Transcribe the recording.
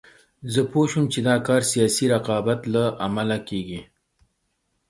زه پوه شوم چې دا کار سیاسي رقابت له امله کېږي.